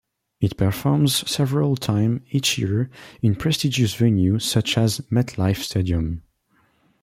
It performs several times each year in prestigious venues such as MetLife Stadium.